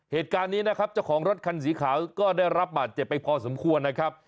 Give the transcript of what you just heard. เหตุการณ์นี้นะครับเจ้าของรถคันสีขาวก็ได้รับบาดเจ็บไปพอสมควรนะครับ